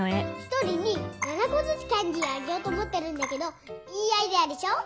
１人に７こずつキャンディーをあげようと思ってるんだけどいいアイデアでしょ。